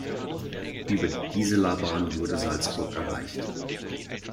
Über die Giselabahn wurde Salzburg erreicht.